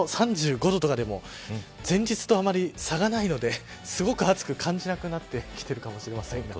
３５度とかでも前日とあまり差がないのですごく暑く感じなくなってきてるかもしれませんが。